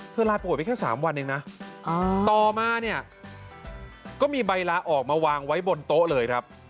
ลาป่วยไปแค่๓วันเองนะต่อมาเนี่ยก็มีใบลาออกมาวางไว้บนโต๊ะเลยครับ